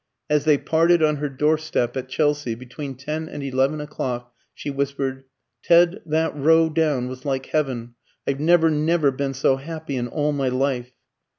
As they parted on her doorstep at Chelsea, between ten and eleven o'clock, she whispered, "Ted, that row down was like heaven! I've never, never been so happy in all my life!"